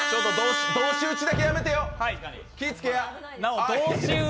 同士討ちだけ、やめてよ。